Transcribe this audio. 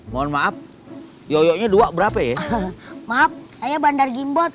mohon maaf yoyoknya dua berapa ya maaf saya bandar gimbot